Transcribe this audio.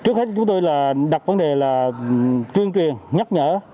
trước hết chúng tôi đặt vấn đề là truyền truyền nhắc nhở